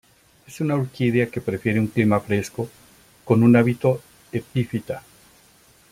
Es una orquídea que prefiere un clima fresco, con un hábito epífita.